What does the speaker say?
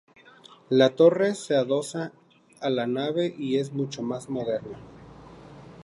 La torre se adosa a la nave y es mucho más moderna.